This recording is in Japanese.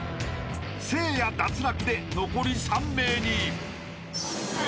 ［せいや脱落で残り３名に］